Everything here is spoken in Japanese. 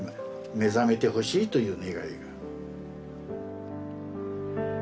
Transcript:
目覚めてほしいという願いが。